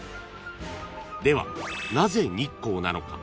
［ではなぜ日光なのか？］